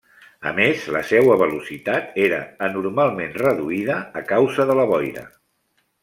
A més, la seua velocitat era anormalment reduïda a causa de la boira.